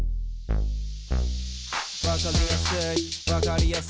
わかりやすいわかりやすい。